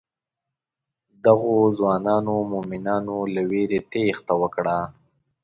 دغو ځوانو مومنانو له وېرې تېښته وکړه.